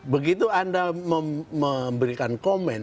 begitu anda memberikan komen